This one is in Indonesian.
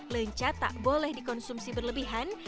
lenca tak boleh dikonsumsi berlebihan